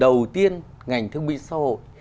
đầu tiên ngành thương binh xã hội